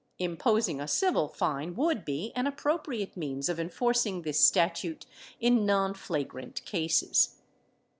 Imposing a civil fine would be an appropriate means of enforcing this statute in nonflagrant cases.